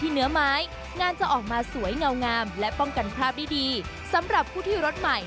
เนื้อไม้งานจะออกมาสวยเงางามและป้องกันคราบได้ดีสำหรับผู้ที่รถใหม่